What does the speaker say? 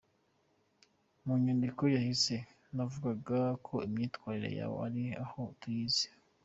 Mu nyandiko yahise navugaga ko imyitwarire yawe hari aho tuyizi.